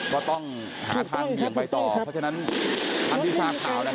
ก็ต้องหาทางเหยื่อมไปต่อเพราะฉะนั้นทำที่สาขาวนะครับ